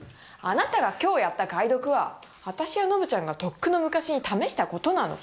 あなたが今日やった解読は私やノブちゃんがとっくの昔に試したことなの。